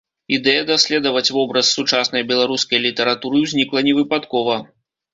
Ідэя даследаваць вобраз сучаснай беларускай літаратуры ўзнікла невыпадкова.